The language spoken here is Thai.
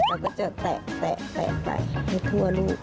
เราก็จะแตะไปให้ทั่วลูก